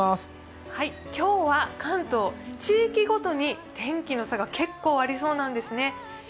今日は関東、地域ごとに天気の差が結構ありそうなんですね。